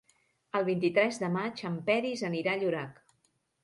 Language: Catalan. El vint-i-tres de maig en Peris anirà a Llorac.